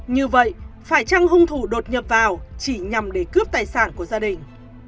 như vậy phải chăng hung thủ đột nhập vào chỉ nhằm để cướp tài sản của gia đình